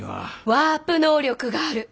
ワープ能力がある？